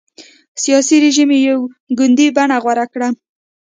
سیاسي رژیم یې یو ګوندي بڼه غوره کړه.